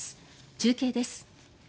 中継です。